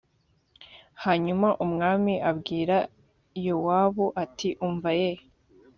hanyuma umwami abwira yowabu ati umva ye